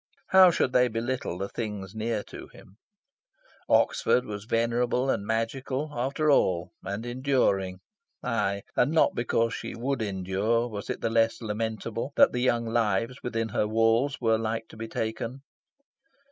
How should they belittle the things near to him?... Oxford was venerable and magical, after all, and enduring. Aye, and not because she would endure was it the less lamentable that the young lives within her walls were like to be taken.